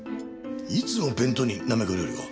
いつも弁当になめこ料理を？